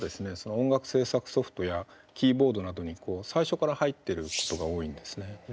音楽制作ソフトやキーボードなどに最初から入ってることが多いんですね。